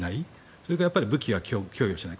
それから武器は供与しない。